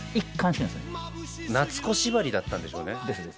「ナツコ」縛りだったんでしょうね。